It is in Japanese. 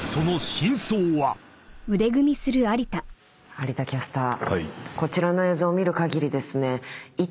有田キャスター。